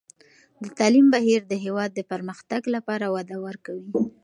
د تعلیم بهیر د هېواد د پرمختګ لپاره وده ورکوي.